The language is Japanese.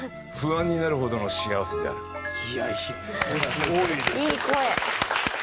すごい！いい声。